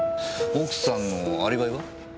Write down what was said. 奥さんのアリバイは？